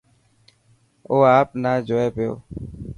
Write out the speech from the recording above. او آپ نا جوئي پيو.